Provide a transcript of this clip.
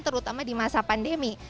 terutama di masa pandemi